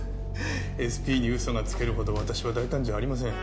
ＳＰに嘘がつけるほど私は大胆じゃありません。